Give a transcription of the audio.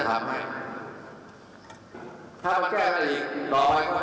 ไปหาคนรถสลับเองถ้าทุกคนต้องการถ้าอย่างไรผมจะทำให้